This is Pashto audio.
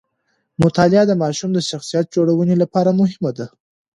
مطالعه د ماشوم د شخصیت جوړونې لپاره مهمه ده.